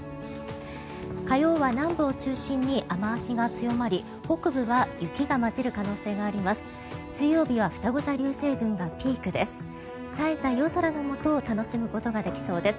火曜は南部を中心に雨脚が強まり北部は雪が交じる可能性があります。